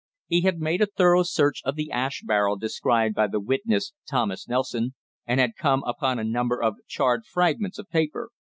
He had made a thorough search of the ash barrel described by the witness Thomas Nelson, and had come upon a number of charred fragments of paper.